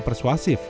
harus dibahas ini